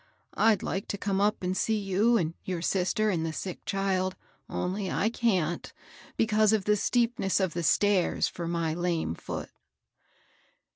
^^ I'd like to come up and see you and your sister and the sick child, only I can't, because of the steepness of the stairs for my lame foot."